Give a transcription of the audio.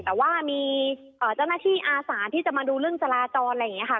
แต่ว่ามีเจ้าหน้าที่อาสาที่จะมาดูเรื่องจราจรอะไรอย่างนี้ค่ะ